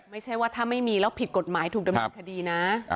ไม่ใช่ว่าถ้าไม่มีแล้วผิดกฎหมายถูกดำเนินคดีนะ